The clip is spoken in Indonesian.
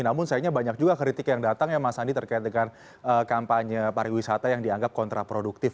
namun sayangnya banyak juga kritik yang datang ya mas andi terkait dengan kampanye pariwisata yang dianggap kontraproduktif